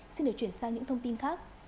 xin được chuyển sang những thông tin khác